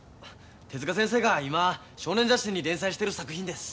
手先生が今少年雑誌に連載している作品です。